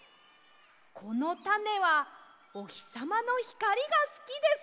「このタネはおひさまのひかりがすきです」！